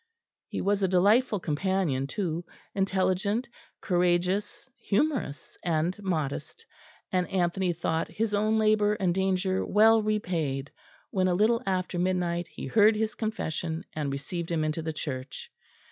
He was a delightful companion, too, intelligent, courageous, humorous and modest, and Anthony thought his own labour and danger well repaid when, a little after midnight, he heard his confession and received him into the Church.